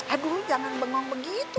aduh jangan bengong begitu